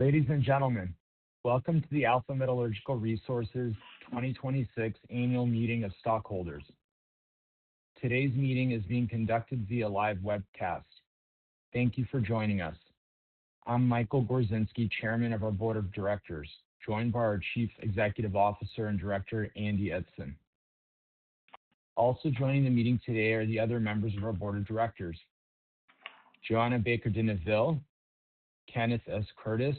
Ladies and gentlemen, welcome to the Alpha Metallurgical Resources 2026 Annual Meeting of Stockholders. Today's meeting is being conducted via live webcast. Thank you for joining us. I'm Michael Gorzynski, Chairman of our Board of Directors, joined by our Chief Executive Officer and Director, Andy Eidson. Also joining the meeting today are the other members of our Board of Directors, Joanna Baker de Neufville, Kenneth S. Courtis,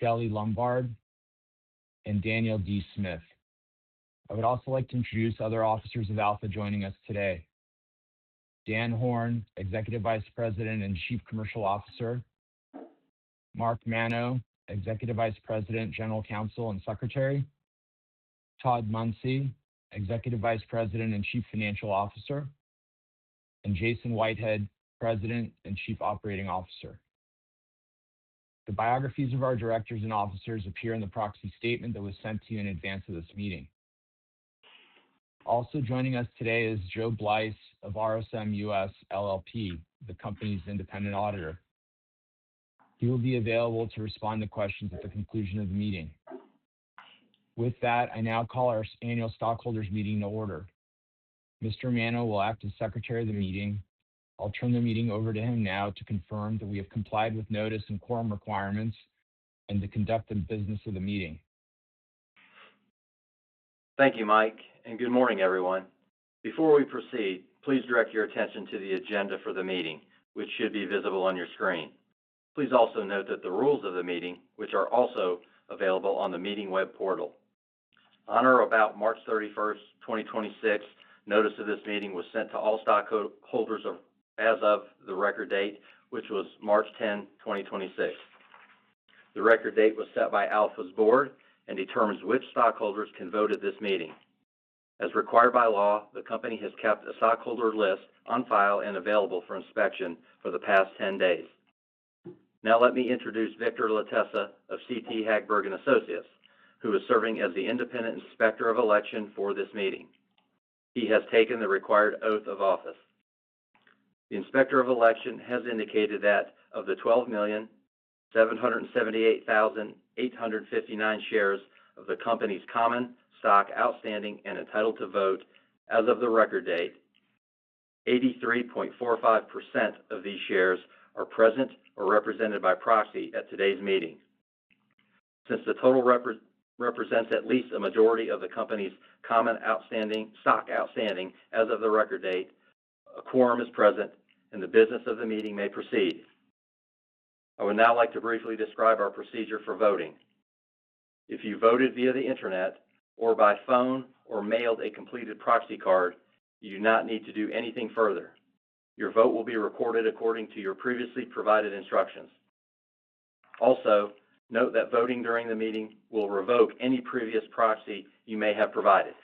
Shelly Lombard, and Daniel D. Smith. I would also like to introduce other officers of Alpha joining us today. Dan Horn, Executive Vice President and Chief Commercial Officer. Mark Manno, Executive Vice President, General Counsel, and Secretary. Todd Munsey, Executive Vice President and Chief Financial Officer, and Jason Whitehead, President and Chief Operating Officer. The biographies of our directors and officers appear in the proxy statement that was sent to you in advance of this meeting. Also joining us today is Joe Blice of RSM US LLP, the company's independent auditor. He will be available to respond to questions at the conclusion of the meeting. With that, I now call our annual stockholders meeting to order. Mr. Manno will act as secretary of the meeting. I'll turn the meeting over to him now to confirm that we have complied with notice and quorum requirements and to conduct the business of the meeting. Thank you, Mike, and good morning, everyone. Before we proceed, please direct your attention to the agenda for the meeting, which should be visible on your screen. Please also note that the rules of the meeting, which are also available on the meeting web portal. On or about March 31st, 2026, notice of this meeting was sent to all stockholders of as of the record date, which was March 10, 2026. The record date was set by Alpha's board and determines which stockholders can vote at this meeting. As required by law, the company has kept a stockholder list on file and available for inspection for the past 10 days. Now let me introduce Victor Latessa of CT Hagberg & Associates, who is serving as the independent inspector of election for this meeting. He has taken the required oath of office. The inspector of election has indicated that of the 12,778,859 shares of the company's common stock outstanding and entitled to vote as of the record date, 83.45% of these shares are present or represented by proxy at today's meeting. Since the total represents at least a majority of the company's common stock outstanding as of the record date, a quorum is present, and the business of the meeting may proceed. I would now like to briefly describe our procedure for voting. If you voted via the internet or by phone or mailed a completed proxy card, you do not need to do anything further. Your vote will be recorded according to your previously provided instructions. Also, note that voting during the meeting will revoke any previous proxy you may have provided.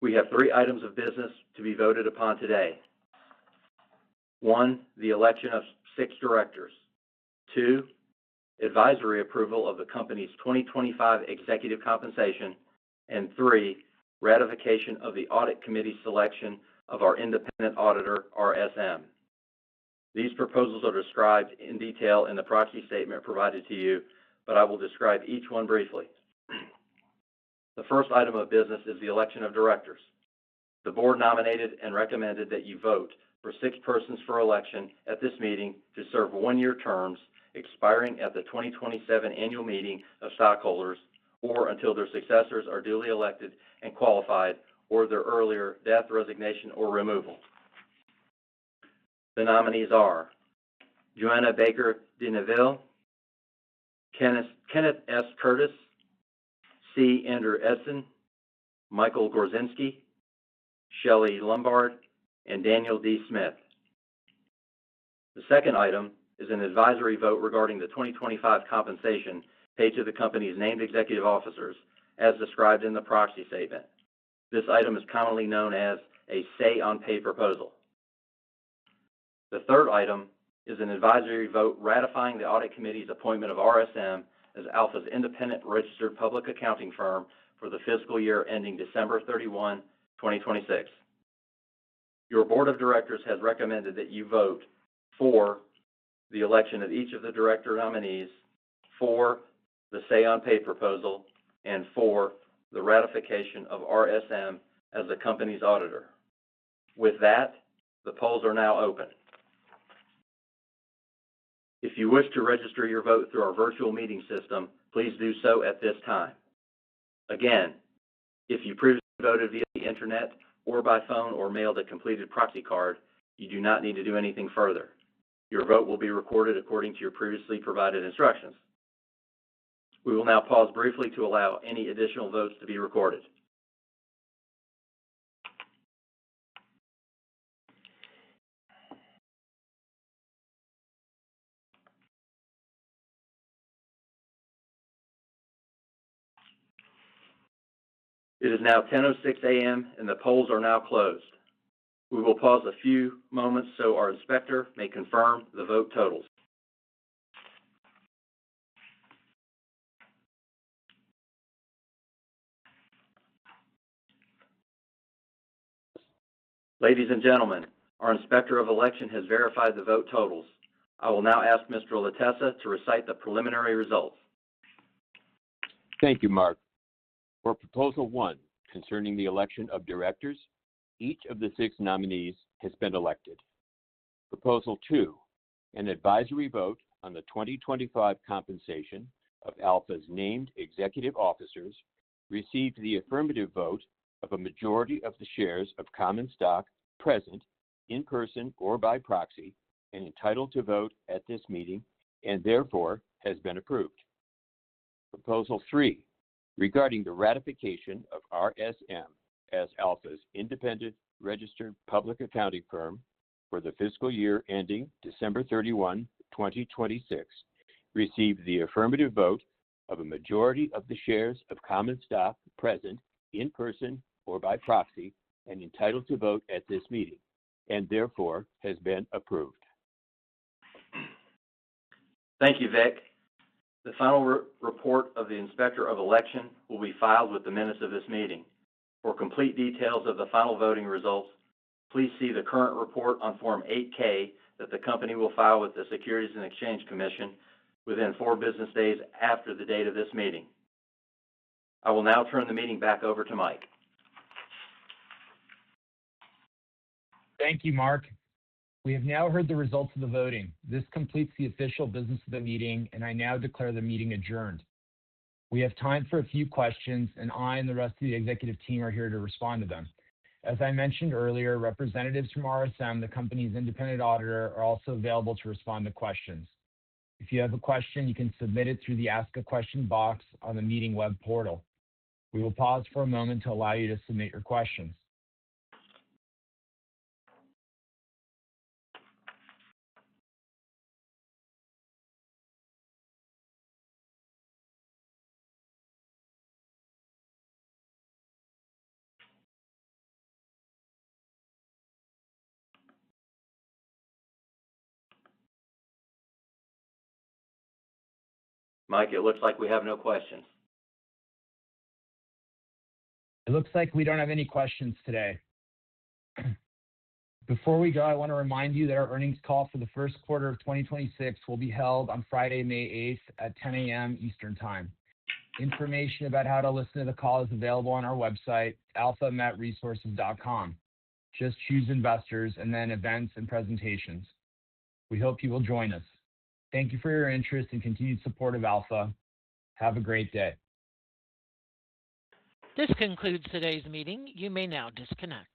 We have three items of business to be voted upon today. One, the election of six directors. Two, advisory approval of the company's 2025 executive compensation. Three, ratification of the audit committee selection of our independent auditor, RSM. These proposals are described in detail in the proxy statement provided to you, but I will describe each one briefly. The first item of business is the election of directors. The board nominated and recommended that you vote for six persons for election at this meeting to serve one-year terms expiring at the 2027 annual meeting of stockholders, or until their successors are duly elected and qualified, or their earlier death, resignation, or removal. The nominees are Joanna Baker de Neufville, Kenneth S. Courtis, C. Andrew Eidson, Michael Gorzynski, Shelly Lombard, and Daniel D. Smith. The second item is an advisory vote regarding the 2025 compensation paid to the company's named executive officers, as described in the proxy statement. This item is commonly known as a say on pay proposal. The third item is an advisory vote ratifying the audit committee's appointment of RSM as Alpha's independent registered public accounting firm for the fiscal year ending December 31, 2026. Your board of directors has recommended that you vote for the election of each of the director nominees for the say on pay proposal and for the ratification of RSM as the company's auditor. The polls are now open. If you wish to register your vote through our virtual meeting system, please do so at this time. If you previously voted via the internet or by phone or mailed a completed proxy card, you do not need to do anything further. Your vote will be recorded according to your previously provided instructions. We will now pause briefly to allow any additional votes to be recorded. It is now 10:06 A.M. The polls are now closed. We will pause a few moments so our Inspector may confirm the vote totals. Ladies and gentlemen, our Inspector of Election has verified the vote totals. I will now ask Mr. Latessa to recite the preliminary results. Thank you, Mark. For proposal one, concerning the election of directors, each of the six nominees has been elected. Proposal two, an advisory vote on the 2025 compensation of Alpha's named executive officers received the affirmative vote of a majority of the shares of common stock present in person or by proxy and entitled to vote at this meeting, and therefore has been approved. Proposal three, regarding the ratification of RSM as Alpha's independent registered public accounting firm for the fiscal year ending December 31, 2026, received the affirmative vote of a majority of the shares of common stock present in person or by proxy and entitled to vote at this meeting, and therefore has been approved. Thank you, Vic. The final report of the Inspector of Election will be filed with the minutes of this meeting. For complete details of the final voting results, please see the current report on Form 8-K that the company will file with the Securities and Exchange Commission within four business days after the date of this meeting. I will now turn the meeting back over to Mike. Thank you, Mark. We have now heard the results of the voting. This completes the official business of the meeting, and I now declare the meeting adjourned. We have time for a few questions, and I and the rest of the executive team are here to respond to them. As I mentioned earlier, representatives from RSM, the company's independent auditor, are also available to respond to questions. If you have a question, you can submit it through the Ask a Question box on the meeting web portal. We will pause for one moment to allow you to submit your questions. Mike, it looks like we have no questions. It looks like we don't have any questions today. Before we go, I want to remind you that our earnings call for the 1st quarter of 2026 will be held on Friday, May 8th at 10:00 A.M. Eastern time. Information about how to listen to the call is available on our website, alphametresources.com. Just choose Investors and then Events and Presentations. We hope you will join us. Thank you for your interest and continued support of Alpha. Have a great day. This concludes today's meeting. You may now disconnect.